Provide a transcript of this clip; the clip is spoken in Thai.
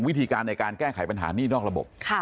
วิธีการในการแก้ไขปัญหานี่นอกระบบ